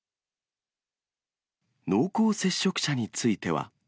濃厚接触者については。